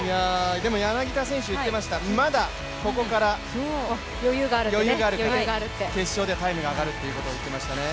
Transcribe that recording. でも、柳田選手、言ってました、まだ、ここから、余裕があるから、決勝ではタイムが上がるということを言っていましたね。